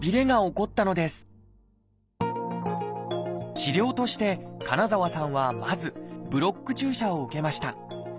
治療として金澤さんはまず「ブロック注射」を受けました。